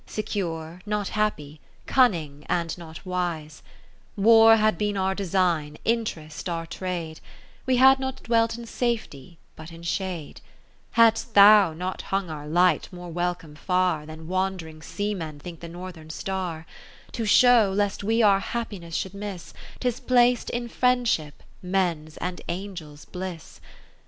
Secure, not happy ; cunning, and not wise ; Kath ertne Philip s War had been our design, interest our trade ; We had not dwelt in safety, but in shade, Hadst thou not hung our light more welcome far Than wand'ring sea men think the Northern Star ; To show, lest we our happiness should miss, 'Tis plac'd in Friendship, men's and angels' Bliss.